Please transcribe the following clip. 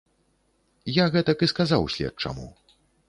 Я гэтак і сказаў следчаму.